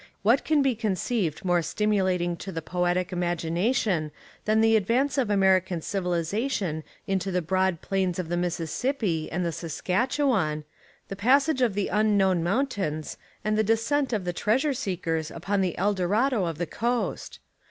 What can be conceived more stimulating to the poetic imagination thar^ the advance of American civilisation into the broad plains of the Mississippi and the Sas katchewan, the passage of the unknown moun tains and the descent of the treasure seekers upon the Eldorado of the coast?